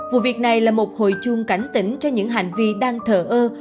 vụ việc này là một hồi chuông cảnh tỉnh cho những hành vi đang thờ ơ